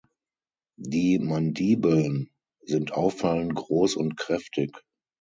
Die Mandibeln sind auffallend groß und kräftig.